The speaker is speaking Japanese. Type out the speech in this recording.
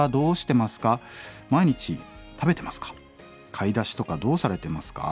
買い出しとかどうされてますか？